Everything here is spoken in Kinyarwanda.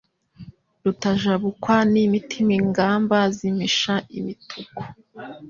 Rutajabukwa n'imitima ingamba zimisha imituku